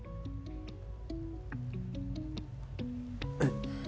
えっ？